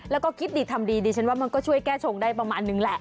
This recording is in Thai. แล้วก็คิดดีทำดีดิฉันว่ามันก็ช่วยแก้ชงได้ประมาณนึงแหละ